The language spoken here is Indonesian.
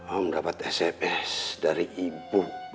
om dapat sms dari ibu